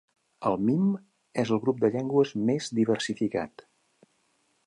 El min és el grup de llengües més diversificat.